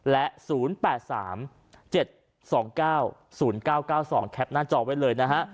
และศูนย์แปดสามเจ็ดสองเก้าศูนย์เก้าเก้าสองแคปหน้าจอไว้เลยนะฮะ